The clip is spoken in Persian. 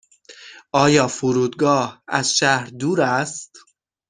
آیا فرودگاه از شهر دور است؟